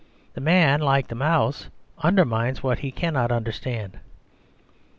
The man, like the mouse, undermines what he cannot understand.